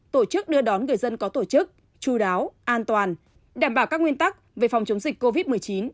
tổ chức đưa đón người dân có tổ chức chú đáo an toàn đảm bảo các nguyên tắc về phòng chống dịch covid một mươi chín